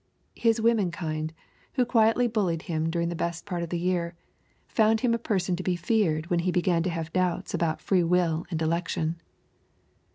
His womenkind, who quietly bullied him during the best part of the year, found him a person to be feared when he began to have doubts about freewill and election.